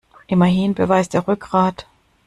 Immerhin beweist er Rückgrat.